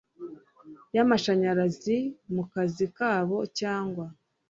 y amashanyarazi mu kazi kabo cyangwa